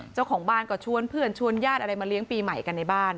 เจ้าของบ้านก็ชวนเพื่อนชวนญาติอะไรมาเลี้ยงปีใหม่กันในบ้าน